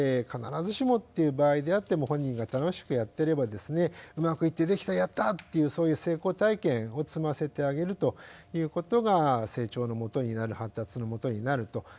必ずしもっていう場合であっても本人が楽しくやってればですねうまくいって「できたやった」っていうそういう成功体験を積ませてあげるということが成長のもとになる発達のもとになると。